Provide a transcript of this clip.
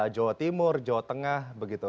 jawa timur jawa tengah